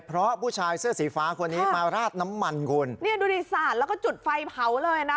เพราะผู้ชายเสื้อสีฟ้าคนนี้มาราดน้ำมันคุณเนี่ยดูดิสาดแล้วก็จุดไฟเผาเลยนะ